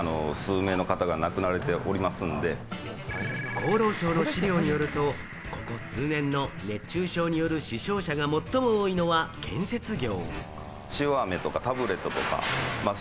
厚労省の資料によると、ここ数年の熱中症による死傷者が最も多いのは建設業。